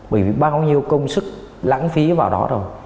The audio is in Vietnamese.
bởi vì bao nhiêu công sức lãng phí vào đó rồi